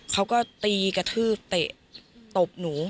เขาก็ตีกระทืบเตะตบหนู